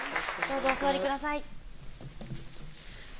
どうぞお座りください